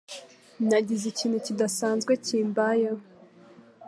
Nagize ikintu kidasanzwe kimbayeho.